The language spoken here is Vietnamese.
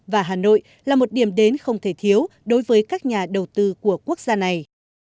và hà nội là một điểm đến không thể thiếu đối với các nhà đầu tư của quốc gia này